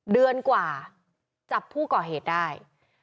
เดือนกว่าจับผู้ก่อเหตุได้